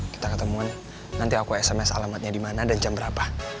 kita ketemuan nanti aku sms alamatnya di mana dan jam berapa